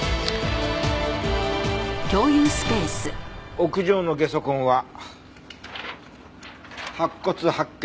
屋上のゲソ痕は白骨発見